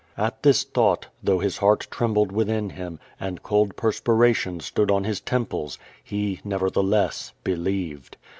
At this thought, though his heart trembled within him, and cold perspiration stood on his temples, he, nevertheless, believed.